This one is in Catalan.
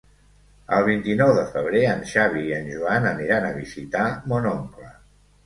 El vint-i-nou de febrer en Xavi i en Joan aniran a visitar mon oncle.